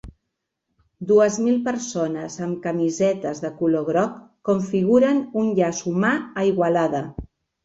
Dues mil persones amb camisetes de color groc configuren un llaç humà a Igualada